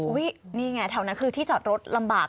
นี่ไงแถวนั้นคือที่จอดรถลำบาก